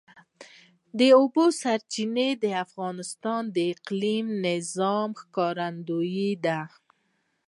د اوبو سرچینې د افغانستان د اقلیمي نظام ښکارندوی ده.